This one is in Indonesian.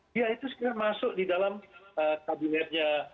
dia itu sekarang masuk di dalam kabinetnya